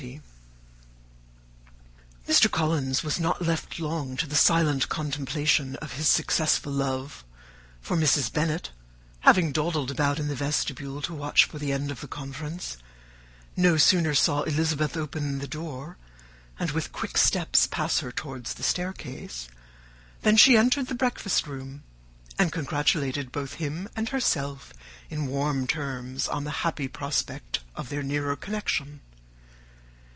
Mr. Collins was not left long to the silent contemplation of his successful love; for Mrs. Bennet, having dawdled about in the vestibule to watch for the end of the conference, no sooner saw Elizabeth open the door and with quick step pass her towards the staircase, than she entered the breakfast room, and congratulated both him and herself in warm terms on the happy prospect of their nearer connection.